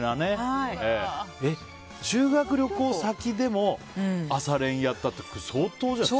修学旅行先でも朝練をやったって相当じゃない？